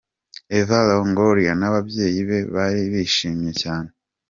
Eva Longoria n'ababyeyi be bari bishimye cyane.